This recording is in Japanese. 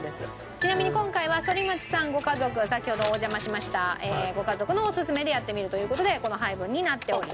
ちなみに今回は反町さんご家族先ほどお邪魔しましたご家族のオススメでやってみるという事でこの配分になっております。